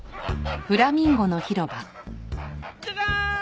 ジャジャーン！